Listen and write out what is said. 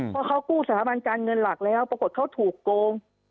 เพราะเขากู้สถาบันการเงินหลักแล้วปรากฏเขาถูกโกง